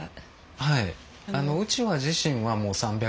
はい。